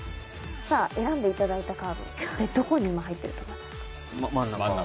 さぁ、選んでいただいたカードは今、どこに入っていると思いますか？